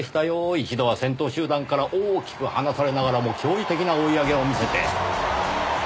一度は先頭集団から大きく離されながらも驚異的な追い上げを見せて。